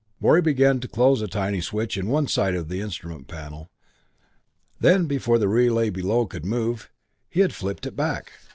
Morey began to close a tiny switch set in one side of the instrument panel then, before the relay below could move, he had flipped it back.